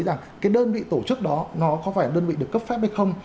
rằng cái đơn vị tổ chức đó nó có phải là đơn vị được cấp phép hay không